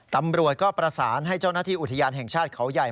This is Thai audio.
ตำรวจก็ประสานให้เจ้าหน้าที่อุทยานแห่งชาติเขาใหญ่